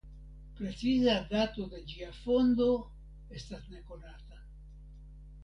Preciza dato de ĝia fondo estas nekonata.